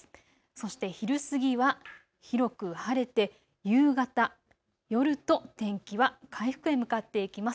そして昼過ぎは広く晴れて、夕方、夜と天気は回復へ向かっていきます。